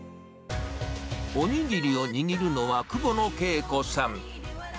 おにぎりを握るのは、久保野桂子さん。